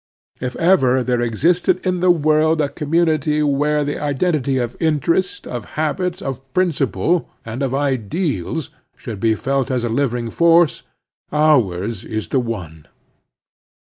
If ever there existed in the world a community where the identity of interest, of habit, of principle, and of ideals should be felt 70 The Strenuous Life as a living force, ours is the one.